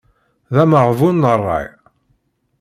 D ameɣbun n ṛṛay.